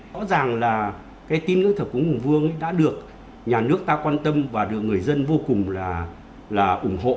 rõ ràng là tín ngưỡng thờ cúng hùng vương đã được nhà nước ta quan tâm và được người dân vô cùng ủng hộ